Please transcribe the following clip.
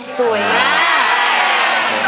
สวยมาก